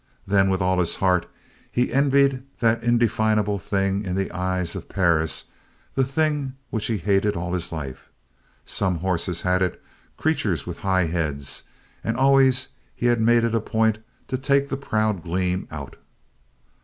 Then, with all his heart, he envied that indefinable thing in the eyes of Perris, the thing which he had hated all his life. Some horses had it, creatures with high heads, and always he had made it a point to take that proud gleam out.